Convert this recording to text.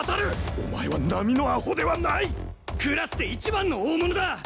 お前は並のアホではないクラスで一番の大物だ！